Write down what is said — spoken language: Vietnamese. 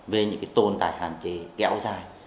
về những tồn tại hạn chế kéo dài